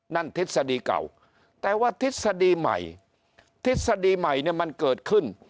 ทฤษฎีเก่าแต่ว่าทฤษฎีใหม่ทฤษฎีใหม่เนี่ยมันเกิดขึ้น